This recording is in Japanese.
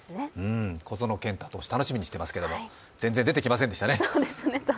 小園健太投手、楽しみにしてますけど全然出てきませんでしたね。